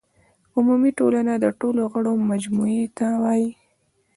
عمومي ټولنه د ټولو غړو مجموعې ته وایي.